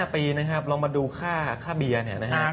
๕ปีนะครับลองมาดูค่าเบียร์เนี่ยนะครับ